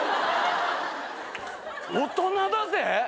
大人だぜ！